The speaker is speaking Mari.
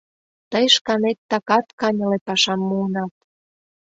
Тый шканет такат каньыле пашам муынат...